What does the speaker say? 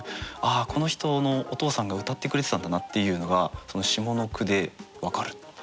ああこの人のお父さんが歌ってくれてたんだなっていうのが下の句で分かる。